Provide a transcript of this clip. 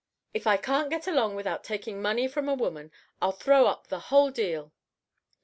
"If I can't get along without taking money from a woman, I'll throw up the whole deal."